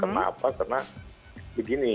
kenapa karena begini